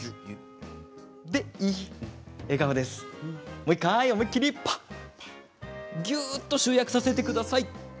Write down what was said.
もう１回、思い切りぱっ、ぎゅっと集約させてください。